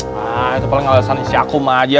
nah itu paling alasan isi akum aja